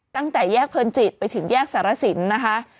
ตั้งแต่แยกเพลินจิตไปถึงแยกสารสินนะคะ